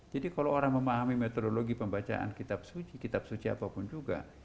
jadi kalau orang memahami metodologi pembacaan kitab suci kitab suci apapun juga